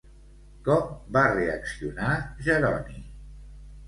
Com va reaccionar Jeroni?